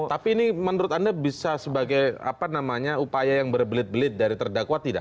tapi ini menurut anda bisa sebagai upaya yang berbelit belit dari terdakwa tidak